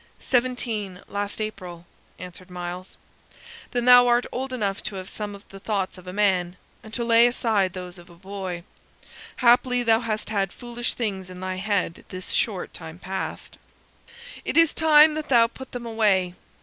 "Seventeen last April," answered Myles. "Then thou art old enough to have some of the thoughts of a man, and to lay aside those of a boy. Haply thou hast had foolish things in thy head this short time past; it is time that thou put them away.